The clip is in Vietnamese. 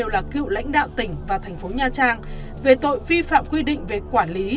lãnh đạo tỉnh và thành phố nha trang về tội vi phạm quy định về quản lý